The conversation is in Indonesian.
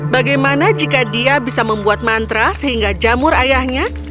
bagaimana jika dia bisa membuat mantra sehingga jamur ayahnya